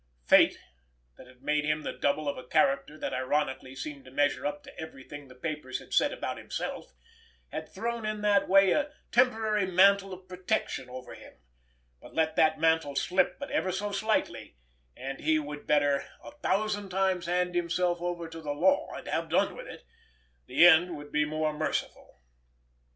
Fate, that had made him the double of a character that ironically seemed to measure up to everything the papers had said about himself, had thrown in that way a temporary mantle of protection over him, but let that mantle slip but ever so slightly and he would better a thousand times hand himself over to the law and have done with it—the end would be more merciful!